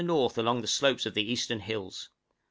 along the slopes of the eastern hills.